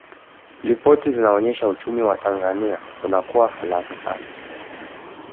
ripoti zilionyesha uchumi wa tanzania unakua haraka sana